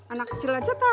anak kecil aja tahu